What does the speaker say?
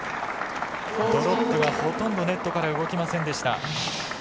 ドロップがほとんどネットから動きませんでした。